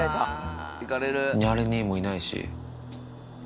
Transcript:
ニャレ兄もいないし。